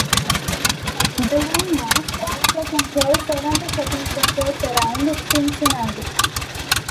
The Lindners also control seventy shopping centers around Cincinnati.